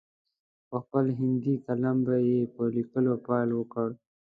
په خپل هندي قلم به یې په لیکلو پیل وکړ.